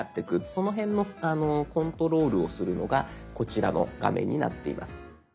その辺のコントロールをするのがこちらの画面になっています。